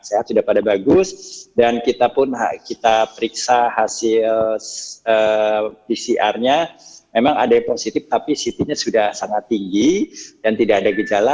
sehat sudah pada bagus dan kita pun kita periksa hasil pcr nya memang ada yang positif tapi ct nya sudah sangat tinggi dan tidak ada gejala